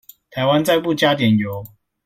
台灣再不加點油